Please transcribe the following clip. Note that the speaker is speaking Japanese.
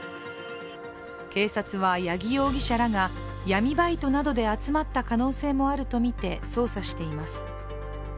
警察は八木容疑者らが闇バイトなどで集まった可能性もあるとみて捜査しています。